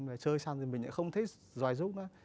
mình lại chơi xong rồi mình lại không thấy dòi rút nữa